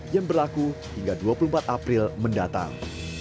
yang berlaku hingga dua puluh empat april mendatang